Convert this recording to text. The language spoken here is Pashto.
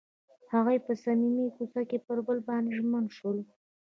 هغوی په صمیمي کوڅه کې پر بل باندې ژمن شول.